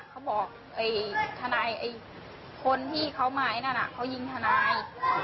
เขาบอกทนายคนที่เขามาไอ้นั่นเขายิงทนาย